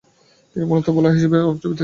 তিনি মূলতঃ বোলার হিসেবেই অংশ নিতেন।